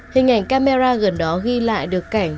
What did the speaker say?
hình ảnh camera gần đó ghi lại được cảnh